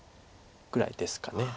ぐらいですか。